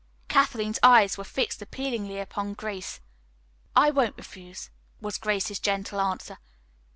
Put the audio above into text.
Kathleen's eyes were fixed appealingly upon Grace. "I won't refuse," was Grace's gentle answer.